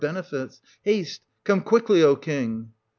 benefits. Haste, come quickly, O king